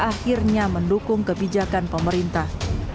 akhirnya mendukung kebijakan pemerintah